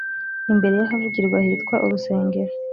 Imbere y’ahavugirwa hitwa urusengero